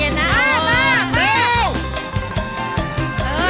เร็วเร็วเร็วเร็ว